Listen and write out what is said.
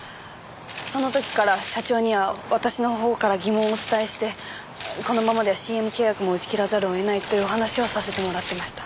その時から社長には私のほうから疑問をお伝えしてこのままではＣＭ契約も打ち切らざるを得ないというお話をさせてもらってました。